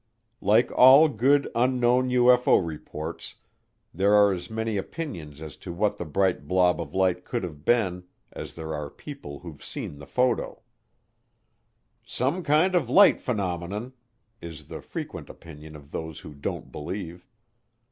Like all good "Unknown" UFO reports, there are as many opinions as to what the bright blob of light could have been as there are people who've seen the photo. "Some kind of light phenomenon" is the frequent opinion of those who don't believe.